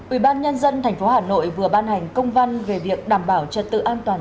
ubnd tp hà nội vừa ban hành công văn về việc đảm bảo trật tự an toàn